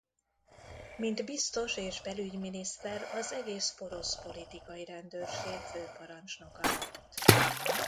Mint biztos és belügyminiszter az egész Porosz Politikai Rendőrség főparancsnoka lett.